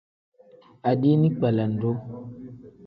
Adiini kpelendu.